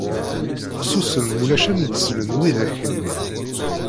Susem mulac ad m-d-slen widak-nni.